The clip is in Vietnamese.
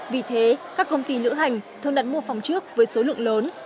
vì thế các công ty lữ hành thường đặt mua phòng trước với số lượng lớn